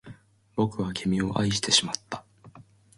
僕は君を愛してしまった